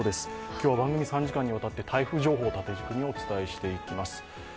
今日は番組３時間にわたって台風情報を中心にお伝えしていきます。